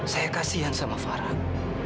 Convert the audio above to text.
saya kasihan sama farah